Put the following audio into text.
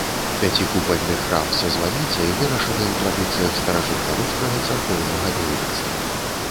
Пяцікупальны храм са званіцай вырашаны ў традыцыях старажытнарускага царкоўнага дойлідства.